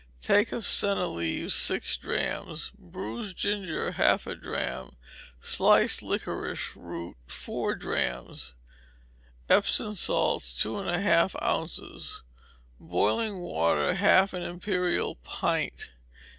Take of senna leaves six drachms, bruised ginger half a drachm, sliced liquorice root four drachms, Epsom salts two and a half ounces, boiling water half an imperial pint.